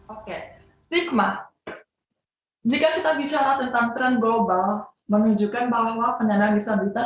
oke stigma jika kita bicara tentang tren global menunjukkan bahwa penyandang disabilitas